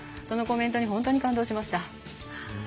そのコメントに本当に感動しました。